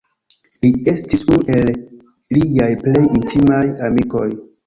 Li estis unu el liaj plej intimaj amikoj.